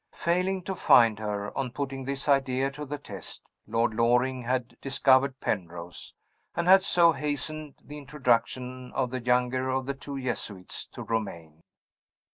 Failing to find her, on putting this idea to the test, Lord Loring had discovered Penrose, and had so hastened the introduction of the younger of the two Jesuits to Romayne.